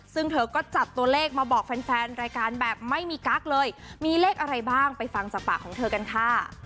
ซึ่งเธอก็จัดตัวเลขมาบอกแฟนแฟนรายการแบบไม่มีกั๊กเลยมีเลขอะไรบ้างไปฟังจากปากของเธอกันค่ะ